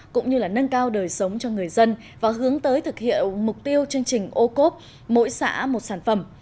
cũng như là nâng cao đời sống cho người dân và hướng tới thực hiện mục tiêu chương trình ô cốp mỗi xã một sản phẩm